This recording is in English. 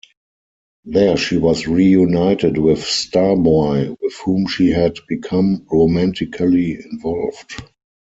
There she was reunited with Star Boy, with whom she had become romantically involved.